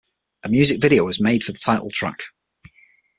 A music video was made for the title track.